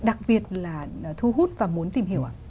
đặc biệt là thu hút và muốn tìm hiểu